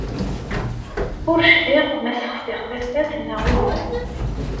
Ur cfiɣ ma ssexsiɣ tafat neɣ uhu.